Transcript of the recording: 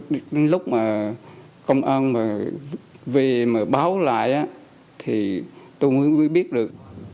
đến lúc mà công an về mà báo lại thì tôi mới biết được